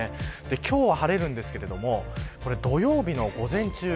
今日は晴れるんですけど土曜日の午前中